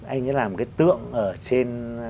anh ấy làm cái tượng trên